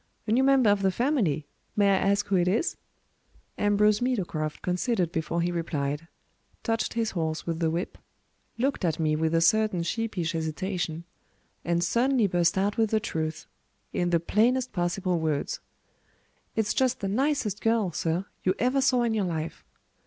"A new member of the family! May I ask who it is?" Ambrose Meadowcroft considered before he replied; touched his horse with the whip; looked at me with a certain sheepish hesitation; and suddenly burst out with the truth, in the plainest possible words: "It's just the nicest girl, sir, you ever saw in your life."